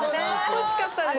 欲しかったです。